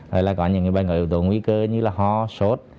rồi là có những bệnh ở yếu tố nguy cơ như là ho sốt